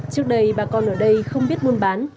trước đây bà con ở đây không biết muôn bán